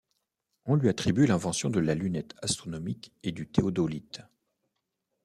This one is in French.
On lui attribue l'invention de la lunette astronomique et du théodolite.